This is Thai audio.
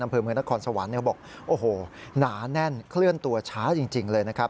อำเภอเมืองนครสวรรค์เขาบอกโอ้โหหนาแน่นเคลื่อนตัวช้าจริงเลยนะครับ